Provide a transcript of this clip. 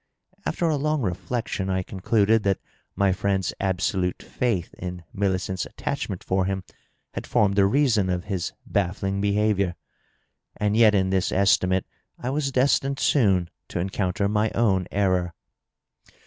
After a long reflection I concluded that my friend's absolute faith in Millicent's attachment for him had formed the reason of his baffling behavior. And yet in this estimate I w&s destined soon to encounter my own error.